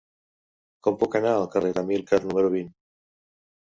Com puc anar al carrer d'Amílcar número vint?